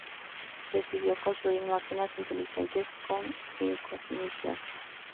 Decidió construir máquinas inteligentes con "Sin cognición.